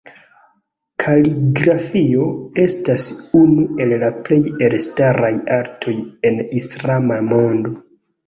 Kaligrafio estas unu el la plej elstaraj artoj en islama mondo.